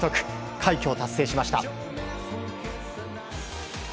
快挙を達成しました。